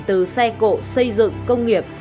từ xe cộ xây dựng công nghiệp